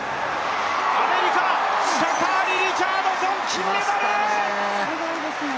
アメリカ、シャカリ・リチャードソン、金メダル！